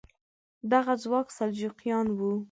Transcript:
دغه ځواک سلجوقیان وو.